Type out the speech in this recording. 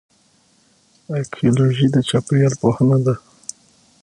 ایکیولوژي د چاپیریال پوهنه ده